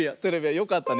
よかったね。